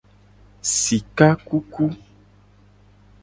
Sika kuku.